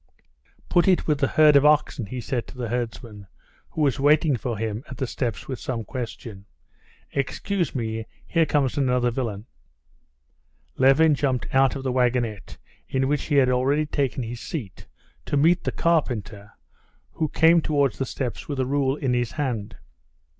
"Put it with the herd of oxen," he said to the herdsman, who was waiting for him at the steps with some question. "Excuse me, here comes another villain." Levin jumped out of the wagonette, in which he had already taken his seat, to meet the carpenter, who came towards the steps with a rule in his hand.